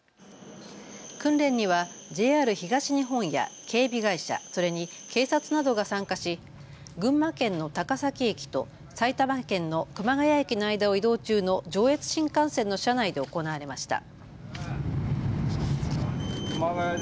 訓練にはＪＲ東日本や警備会社、それに警察などが参加し群馬県の高崎駅と埼玉県の熊谷駅の間を移動中の上越新幹線の車内で行われました。